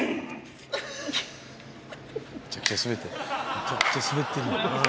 めちゃくちゃ滑ってる。